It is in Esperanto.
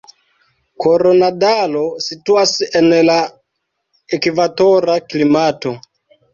Koronadalo situas en la ekvatora klimato.